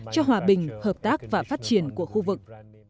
cho hòa bình hợp tác và phát triển của khu vực